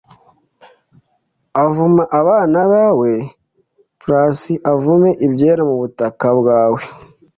azavuma abana bawe,+ avume ibyera mu butaka bwawe